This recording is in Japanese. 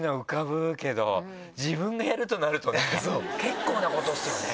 自分がやるとなるとね結構なことですよね。